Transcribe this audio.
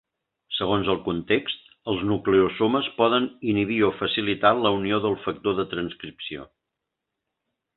Segons el context, els nucleosomes poden inhibir o facilitar la unió del factor de transcripció.